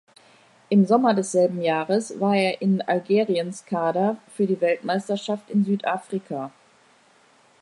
Im Sommer desselben Jahres war er in Algeriens Kader für die Weltmeisterschaft in Südafrika.